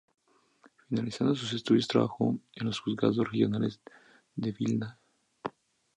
Finalizados sus estudios trabajó en los juzgados regionales de Vilna.